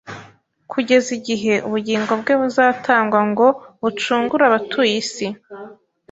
kugeza igihe ubugingo bwe buzatangwa ngo bucungure abatuye isi.